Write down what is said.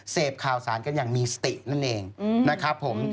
เสพข่าวสารกันอย่างมีสตินั่นเองนะครับผม